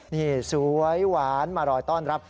นี่สวยหวานมารอต้อนรับ